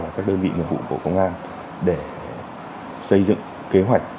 và các đơn vị nguyện vụ của công an để xây dựng kế hoạch